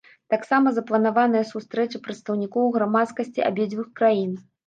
Таксама запланаваныя сустрэчы прадстаўнікоў грамадскасці абедзвюх краін.